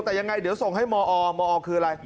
แต่ยังไงเดี๋ยวส่งให้มอมอคืออะไร